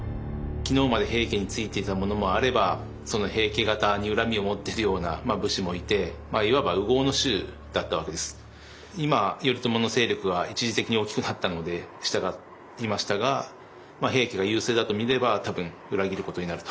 昨日まで平家についていた者もあればその平家方に恨みを持ってるような武士もいていわば今頼朝の勢力は一時的に大きくなったので従いましたが平家が優勢だとみれば多分裏切ることになると。